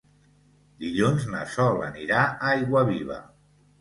Dilluns na Sol anirà a Aiguaviva.